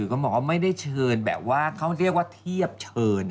ก็บอกว่าไม่ได้เชิญแบบว่าเขาเรียกว่าเทียบเชิญ